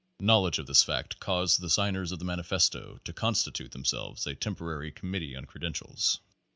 Knowledge of this fact caused the sign ers of the Manifesto to constitute themselves a tem porary committee on credentials.